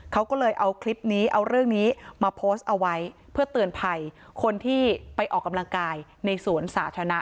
เขาก็เลยเอาคลิปนี้เอาเรื่องนี้มาโพสต์เอาไว้เพื่อเตือนภัยคนที่ไปออกกำลังกายในสวนสาธารณะ